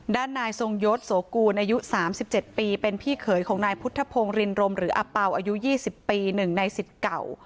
ด้านนายทรงยศโสกูลอายุ๓๗ปีเป็นพี่เขยของนายพุทธพงศ์รินรมหรืออเป่าอายุ๒๐ปี๑ในสิทธิ์เก่า